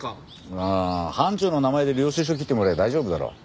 ああ班長の名前で領収書切ってもらえば大丈夫だろ。